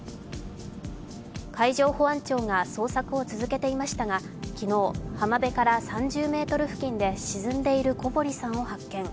海上保安庁が捜索を続けていましたが、昨日、浜辺から３０ｍ付近で沈んでいる小堀さんを発見。